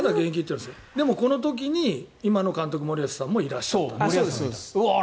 でもこの時に今の監督森保さんもいらっしゃった。